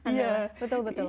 iya betul betul